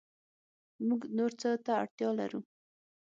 موږ نور څه ته اړتیا لرو